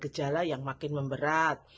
gejala yang makin memberat